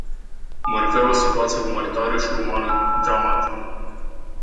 Mă refer la situația umanitară și umană dramatică.